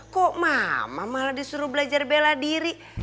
kok mama malah disuruh belajar bela diri